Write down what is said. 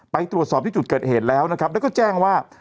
ไปตรวจสอบที่จุดเกิดเหตุแล้วนะครับแล้วก็แจ้งว่า